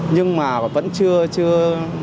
nhưng mà vẫn chưa